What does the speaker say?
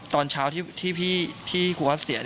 ตอนเช้าที่ครูออสเสีย